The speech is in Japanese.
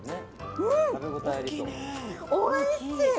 うん、おいしい！